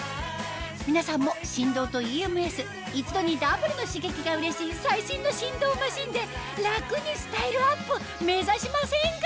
皆さんも振動とＥＭＳ一度にダブルの刺激がうれしい最新の振動マシンで楽にスタイルアップ目指しませんか？